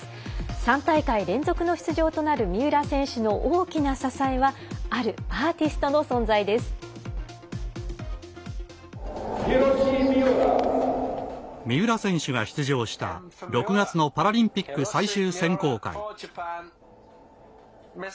３大会連続の出場となる三浦選手の大きな支えはあるアーティストの存在です。